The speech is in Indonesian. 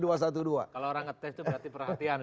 kalau orang ngetes itu berarti perhatian